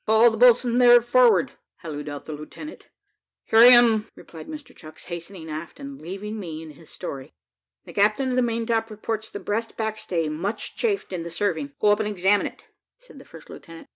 call the boatswain there forward," hallooed out the lieutenant. "Here I am, sir," replied Mr Chucks, hastening aft, and leaving me and his story. "The captain of the maintop reports the breast backstay much chafed in the serving. Go up and examine it," said the first lieutenant.